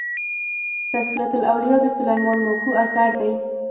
تذکرة الاولياء د سلېمان ماکو اثر دئ.